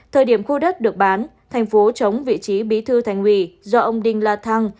thời điểm khu đất được bán thành phố chống vị trí bí thư thành ủy do ông đinh la thăng